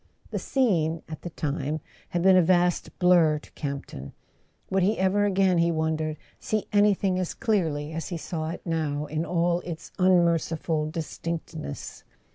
The scene, at the time, had been [ 269 ] A SON AT THE FRONT a vast blur to Camp ton: would he ever again, he won¬ dered, see anything as clearly as he saw it now, in all its unmerciful distinctness?